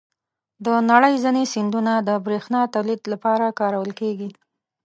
د نړۍ ځینې سیندونه د بریښنا تولید لپاره کارول کېږي.